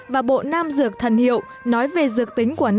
và bộ nam dược thần hiệu nói về dược tính quả